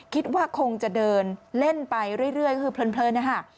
คิดว่าคงจะเดินเล่นไปเรื่อยก็คือเพลินนะฮะ